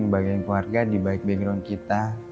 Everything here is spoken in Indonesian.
bagian keluarga di baik background kita